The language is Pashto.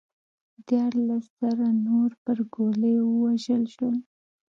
دیارلس زره نور پر ګولیو ووژل شول